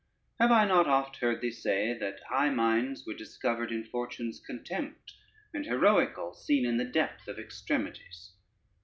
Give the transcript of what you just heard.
Have I not oft heard thee say, that high minds were discovered in fortune's contempt, and heroical scene in the depth of extremities?